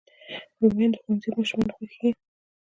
رومیان د ښوونځي ماشومانو خوښېږي